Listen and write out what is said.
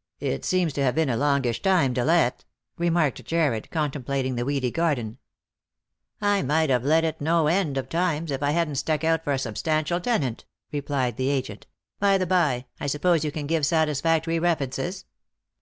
" It seems to have been a longish time to let," remarked Jarred, contemplating the weedy garden. " I might have let it no end of times, if I hadn't stuck out for a substantial tenant," replied the agent. " By the bye, I suppose you can give satisfactory references."